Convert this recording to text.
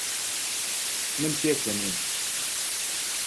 من پێکەنیم.